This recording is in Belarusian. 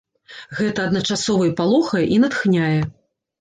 Гэта адначасова і палохае, і натхняе.